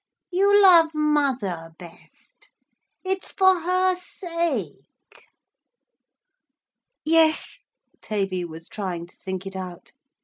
You love mother best. It's for her sake.' 'Yes.' Tavy was trying to think it out.